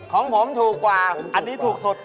ของผมถูกกว่าอันนี้ถูกสุด